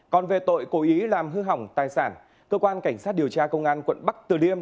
còn về tội cố ý làm hư hỏng tài sản cơ quan cảnh sát điều tra công an quận bắc từ liêm